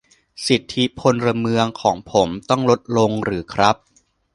สิทธิพลเมืองของผมต้องลดลงหรือครับ